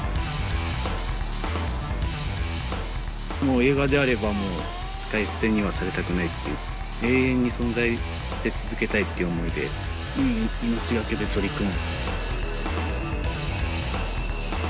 映画であればもう使い捨てにはされたくないっていう永遠に存在させ続けたいっていう思いで命がけで取り組む。